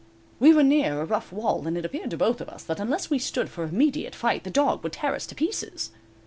We were near a rough wall, and it appeared to both of us that unless we stood for immediate fight the dog would tear us to pieces.